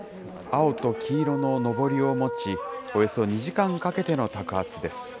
青と黄色ののぼりを持ち、およそ２時間かけてのたく鉢です。